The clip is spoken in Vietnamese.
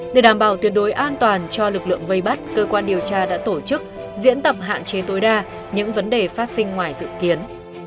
để đảm bảo tuyệt đối an toàn cho lực lượng vây bắt cơ quan điều tra đã tổ chức diễn tập hạn chế tối đa những vấn đề phát sinh ngoài dự kiến